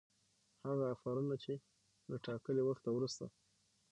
هغه آفرونه چي له ټاکلي وخته وروسته